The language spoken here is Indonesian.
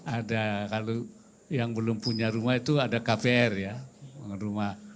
ada kalau yang belum punya rumah itu ada kpr ya rumah